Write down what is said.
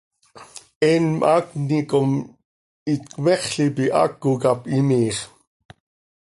Eenm haacni com itcmexl ipi, haaco cap imiiix.